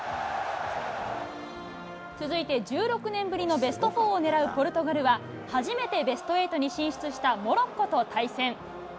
続いて１６年ぶりのベストフォーをねらうポルトガルは、初めてベストエイトに進出したモロッコと対戦。